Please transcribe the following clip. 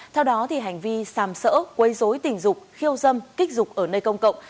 theo đó hành vi xàm sỡ quây dối tình dục khiêu dâm kích dục ở nơi công cộng